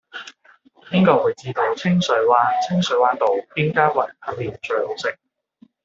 邊個會知道清水灣清水灣道邊間雲吞麵最好食